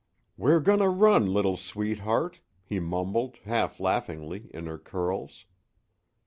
"We're going to run, little sweetheart," he mumbled, half laughingly, in her curls.